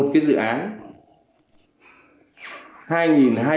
cái dự án